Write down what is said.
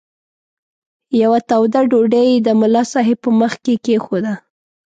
یوه توده ډوډۍ یې د ملا صاحب په مخ کې کښېښوده.